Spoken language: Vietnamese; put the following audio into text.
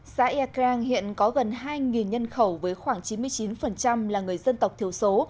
xã ekrang hiện có gần hai nhân khẩu với khoảng chín mươi chín là người dân tộc thiếu số